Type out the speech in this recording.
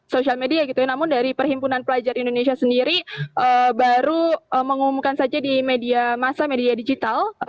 sosial media gitu ya namun dari perhimpunan pelajar indonesia sendiri baru mengumumkan saja di media masa media digital